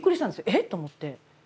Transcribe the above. え！？と思って。